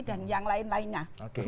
dan yang lain lainnya